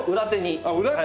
あっ裏手に。